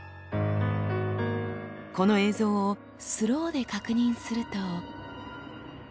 この映像をスローで確認すると。